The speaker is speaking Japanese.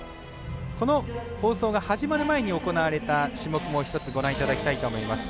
この放送が始まる前に行われた種目も一つご覧いただきたいと思います。